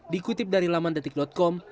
dikutip dari laman detik com